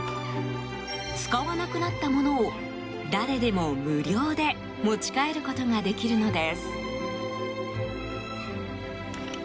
使わなくなったものを誰でも無料で持ち帰ることができるのです。